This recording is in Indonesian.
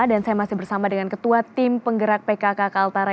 saya masih bersama dengan ketua tim penggerak pkk kaltara